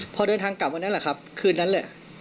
พอเดินทางกลับวันนั้นแหละครับคืนนั้นแหละ